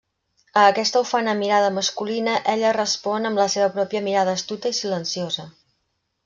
A aquesta ufana mirada masculina ella respon amb la seva pròpia mirada astuta i silenciosa.